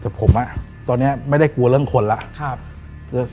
แต่ผมตอนนี้ไม่ได้กลัวเรื่องคนแล้ว